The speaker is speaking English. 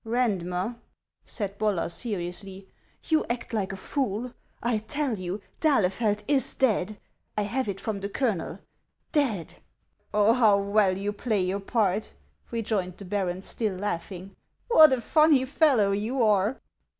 " Eandmer," said Bollar, seriously, " you act like a fool. I tell you d'Ahlefeld is dead ; I have it from the colonel, dead!" " Oh, how well you play your part !" rejoined the baron, still laughing ;" what a funny fellow you are